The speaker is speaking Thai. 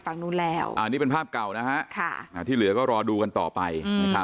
อันนี้เป็นภาพเก่านะคะที่เหลือก็รอดูกันต่อไป